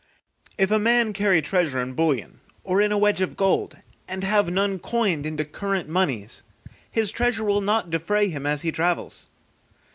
If a man carry treasure in bullion, or in a wedge of gold, and have none coined into current money, his treasure will not defray him as he travels.